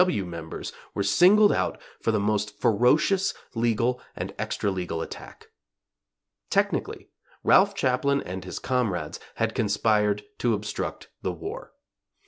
W. W. members were singled out for the most ferocious legal and extra legal attack. Technically, Ralph Chaplin and his comrades had conspired to obstruct the war.